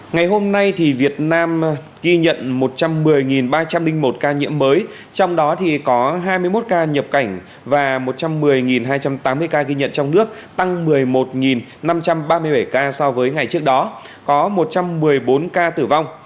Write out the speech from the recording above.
ngày hôm nay việt nam ghi nhận một trăm một mươi ba trăm linh một ca nhiễm mới trong đó có hai mươi một ca nhập cảnh và một trăm một mươi hai trăm tám mươi ca ghi nhận trong nước tăng một mươi một năm trăm ba mươi bảy ca so với ngày trước đó có một trăm một mươi bốn ca tử vong